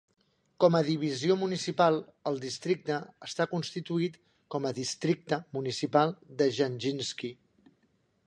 Com a divisió municipal, el districte està constituït com a districte municipal de Giaginsky.